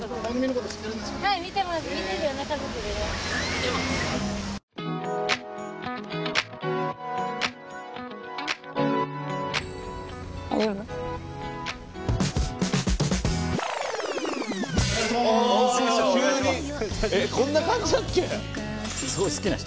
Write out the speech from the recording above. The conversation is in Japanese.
こんな感じだっけ？